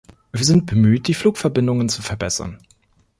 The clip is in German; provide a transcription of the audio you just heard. Wir sind bemüht, die Flugverbindungen zu verbessern.